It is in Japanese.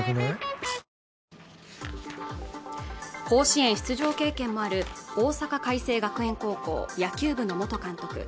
甲子園出場経験もある大阪偕星学園高校野球部の元監督